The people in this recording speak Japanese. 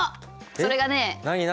それがね